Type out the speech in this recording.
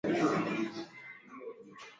Hawai ni kwetu